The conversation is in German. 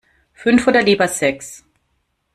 Fünf oder lieber sechs?